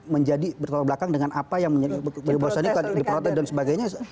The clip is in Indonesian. menjadi bertolak belakang dengan apa yang di protek dan sebagainya